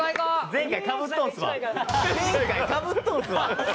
前回かぶっとるんすわ。